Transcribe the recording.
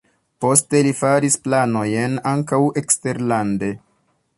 Poste li faris planojn ankaŭ eksterlande.